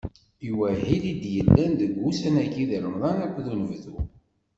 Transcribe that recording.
I wahil i d-yellan deg wussan-agi n Remḍan akked unebdu?